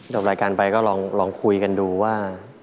จบรายการไปก็ลองคุยกันดูว่า